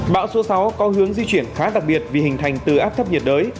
bão số sáu có hướng di chuyển khá đặc biệt vì hình thành từ áp thấp nhiệt đới